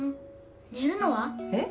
寝るのは？えっ？